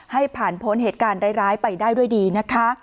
ให้ผ่านพ้นเหตุการณ์ร้ายไปได้ด้วยดีนะคะ